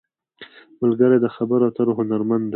ملګری د خبرو اترو هنرمند دی